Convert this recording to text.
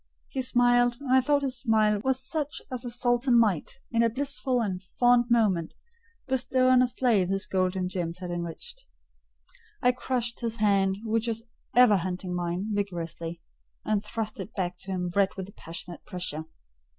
He smiled; and I thought his smile was such as a sultan might, in a blissful and fond moment, bestow on a slave his gold and gems had enriched: I crushed his hand, which was ever hunting mine, vigorously, and thrust it back to him red with the passionate pressure.